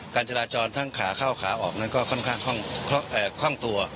การจราจรทั้งขาเข้าขาออกนั้นก็ค่อนข้างคล่องตัว